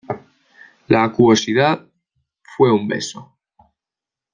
la acuosidad... fue un beso ...